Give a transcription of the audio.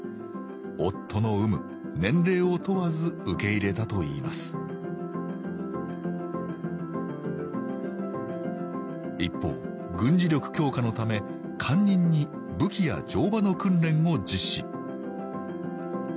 夫の有無年齢を問わず受け入れたといいます一方軍事力強化のため官人に武器や乗馬の訓練を実施